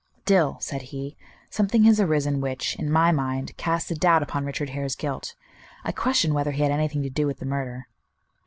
"Dill," said he, "something has arisen which, in my mind, casts a doubt upon Richard Hare's guilt. I question whether he had anything to do with the murder."